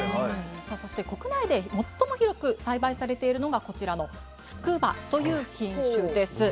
そして国内で最も広く栽培されているのがこちらの「筑波」という品種です。